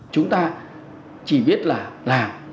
chúng ta chỉ biết là làm